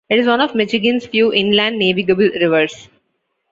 It is one of Michigan's few inland navigable rivers.